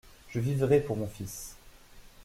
Je vivrai pour mon fils.